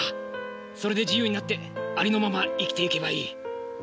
それで自由になってありのまま生きていけばいい。